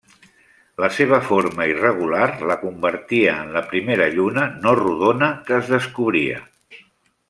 La seva forma irregular la convertia en la primera lluna no rodona que es descobria.